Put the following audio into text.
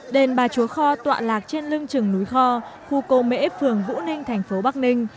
đền bà chúa kho tọa lạc trên lưng trừng núi kho khu cô mễ phường vũ ninh thành phố bắc ninh